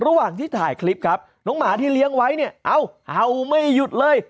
ระหว่างที่ถ่ายคลิปครับน้องหมาที่เลี้ยงไว้เนี่ยเอาเห่าไม่หยุดเลย